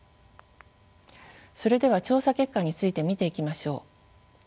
それでは調査結果について見ていきましょう。